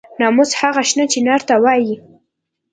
ناموس هغه شنه چنار ته وایي.